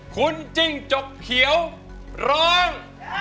คุณจิ้งจกเขียวร้อง